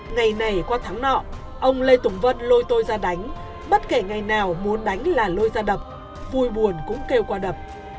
ngày này qua thắng nọ ông lê tùng vân lôi tôi ra đánh bất kể ngày nào muốn đánh là lôi ra đập vui buồn cũng kêu qua đập